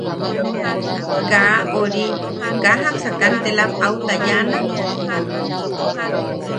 ¿Kaa... ori... kaa jaksa kantelam au tayaʼana?